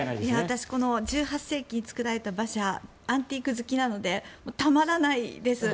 私、この１８世紀に作られた馬車アンティーク好きなのでたまらないです。